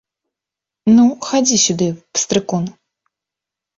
Ну, хадзі сюды, пстрыкун.